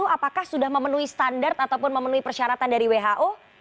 apakah sudah memenuhi standar ataupun memenuhi persyaratan dari who